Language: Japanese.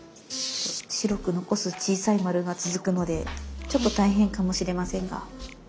白く残す小さい丸が続くのでちょっと大変かもしれませんが。